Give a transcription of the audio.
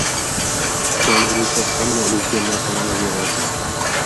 Ukam ruhi hamma o’ziga narsani olaverardi